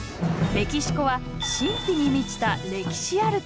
メキシコは神秘に満ちた歴史ある国。